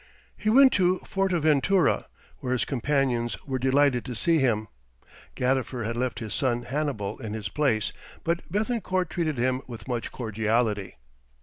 He went to Fortaventura, where his companions were delighted to see him. Gadifer had left his son Hannibal in his place, but Béthencourt treated him with much cordiality.